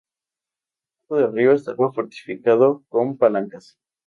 El paso del río estaba fortificado con palancas.